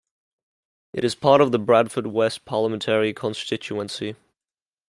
It is part of the Bradford West parliamentary constituency.